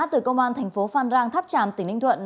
từ công an tp phan rang tháp tràm tỉnh ninh thuận